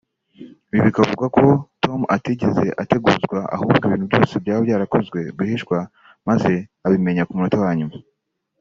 Ibi bikavugwa ko Tom atigeze ateguzwa ahubwo ibintu byose byaba byarakozwe rwihishwa maze abimenya ku munota wa nyuma